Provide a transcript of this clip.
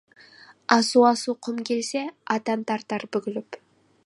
Асу-асу құм келсе, атан тартар бүгіліп.